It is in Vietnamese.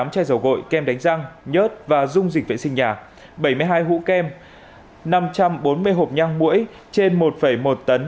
hai mươi chai dầu gội kem đánh răng nhớt và dung dịch vệ sinh nhà bảy mươi hai hũ kem năm trăm bốn mươi hộp nhang mũi trên một một tấn